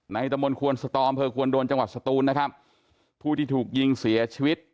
ตะมนตวนสตออำเภอควรโดนจังหวัดสตูนนะครับผู้ที่ถูกยิงเสียชีวิต